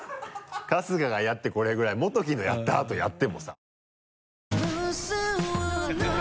春日がやってこれぐらいモトキのやった後やってもさ。